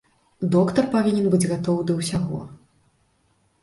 Доктар павінен быць гатовы да ўсяго.